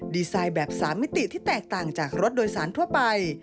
ดีไซน์แบบ๓มิติที่แตกต่างจากรถโดยสารทั่วไป